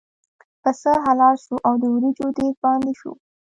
پسه حلال شو او د وریجو دېګ باندې شو.